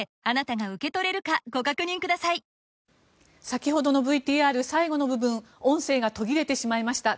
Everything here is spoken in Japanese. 先ほどのＶＴＲ最後の部分音声が途切れてしまいました。